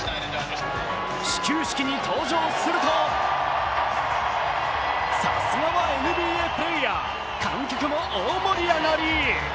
始球式に登場するとさすがはＮＢＡプレーヤー、観客も大盛り上がり。